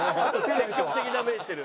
積極的な目してる。